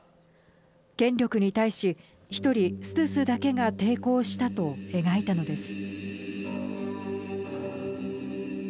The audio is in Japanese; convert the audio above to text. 権力に対し１人、ストゥスだけが抵抗したと描いたのです。